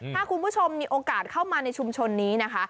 ถ้าคุณผู้ชมมีโอกาสเข้ามาในชุมชนนี้นะคะ